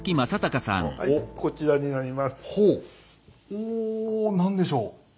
お何でしょう？